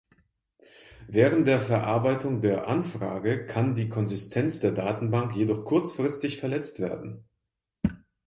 Während der Verarbeitung der Anfrage kann die Konsistenz der Datenbank jedoch kurzfristig verletzt werden.